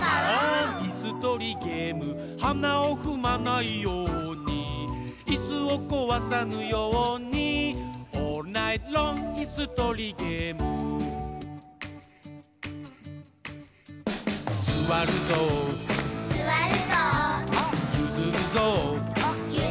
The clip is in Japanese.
いすとりゲーム」「はなをふまないように」「いすをこわさぬように」「オールナイトロングいすとりゲーム」「すわるぞう」「ゆずるぞう」